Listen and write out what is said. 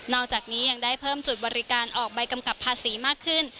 อกจากนี้ยังได้เพิ่มจุดบริการออกใบกำกับภาษีมากขึ้น